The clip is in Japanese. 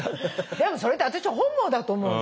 でもそれって私本望だと思う。